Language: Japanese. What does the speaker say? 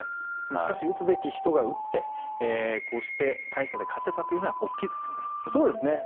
しかし打つべき人が打ってこうして大差で勝てたのは大きいですね。